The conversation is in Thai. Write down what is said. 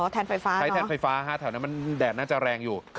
แทนไฟฟ้าใช้แทนไฟฟ้าแถวนั้นมันแดดน่าจะแรงอยู่